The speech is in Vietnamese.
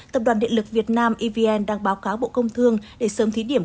tập đoàn điện lực việt nam evn đang báo cáo bộ công thương để sớm thí điểm